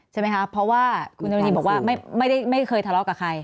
ใช่ไหมคะเพราะว่าคุณธรรมนีบอกว่าไม่เคยทะเลาะกับใคร